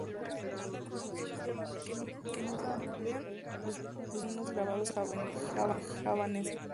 Otras formas de documentos oficiales, que no usaban papel, incluían los pergaminos grabados javaneses.